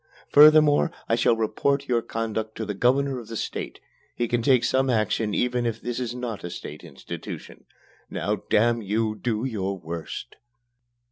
Furthermore, I shall report your conduct to the Governor of the State. He can take some action even if this is not a state institution. Now, damn you, do your worst!"